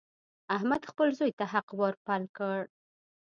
احمد خپل زوی ته حق ور پل کړ.